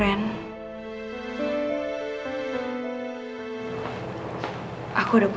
dan meninggalkan masa lalu